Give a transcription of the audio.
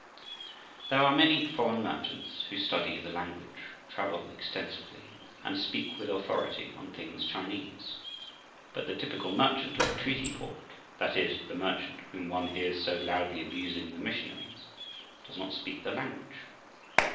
There are many foreign merchants who study the language, travel extensively, and speak with authority on things Chinese. But the typical merchant of the treaty port, that is, the merchant whom one hears so loudly abusing the missionaries, does not speak the language.